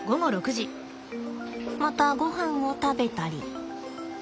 またごはんを食べたり。